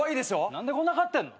何でこんな飼ってんの？